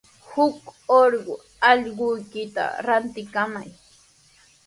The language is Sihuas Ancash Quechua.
Huk urqu allquykita rantikamay.